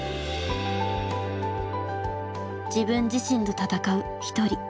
自分自身と闘う一人。